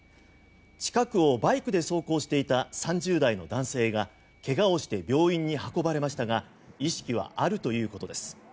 近くをバイクで走行していた３０代の男性が怪我をして病院に運ばれましたが意識はあるということです。